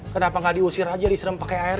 kenapa gak diusir aja diserem pake air